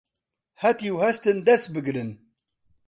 هەتیو هەستن دەس بگرن